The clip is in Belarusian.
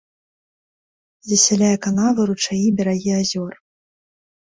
Засяляе канавы, ручаі, берагі азёр.